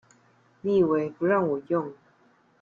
你以為不讓我用